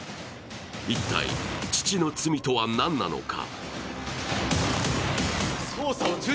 一体、父の罪とは何なのか。